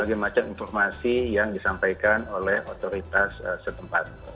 berbagai macam informasi yang disampaikan oleh otoritas setempat